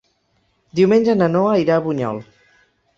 Diumenge na Noa irà a Bunyol.